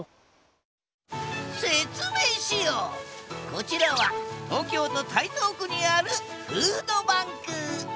こちらは東京都台東区にあるフードバンク。